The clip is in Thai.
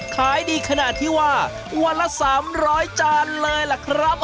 ขายดีขนาดที่ว่าวันละ๓๐๐จานเลยล่ะครับ